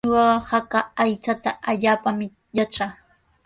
Ñuqaqa haka aychata allaapaami yatraa.